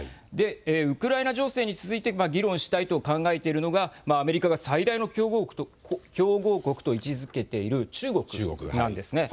ウクライナ情勢に続いて議論したいと考えているのがアメリカが最大の競合国と位置づけている中国なんです。